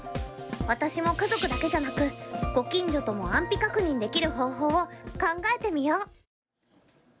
私も家族だけじゃなくご近所とも安否確認できる方法を考えてみよう。